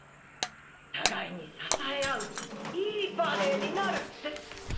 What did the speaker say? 「互いに支え合ういいバデェになる」って。